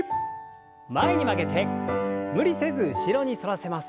前に曲げて無理せず後ろに反らせます。